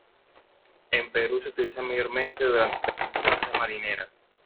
En Perú se utilizan mayormente durante los concursos de Marinera.